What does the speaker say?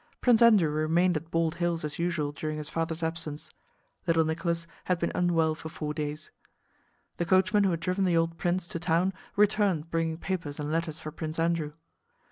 Prince Andrew remained at Bald Hills as usual during his father's absence. Little Nicholas had been unwell for four days. The coachman who had driven the old prince to town returned bringing papers and letters for Prince Andrew.